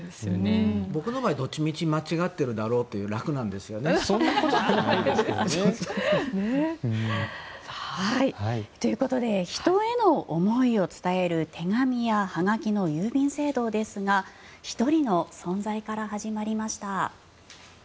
僕の場合どっちみち間違っているだろうと思って楽なんですよね。ということで人への思いを伝える手紙やはがきの郵便制度ですが１人の存在から始まりました。